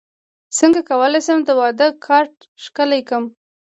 څنګه کولی شم د واده کارت ښکلی کړم